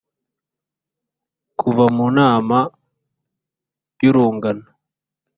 kuva mu nama y'urungano.